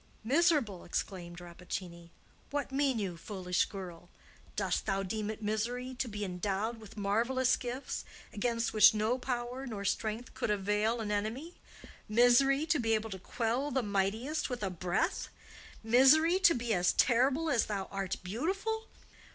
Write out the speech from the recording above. "Miserable!" exclaimed Rappaccini. "What mean you, foolish girl? Dost thou deem it misery to be endowed with marvellous gifts against which no power nor strength could avail an enemy—misery, to be able to quell the mightiest with a breath—misery, to be as terrible as thou art beautiful?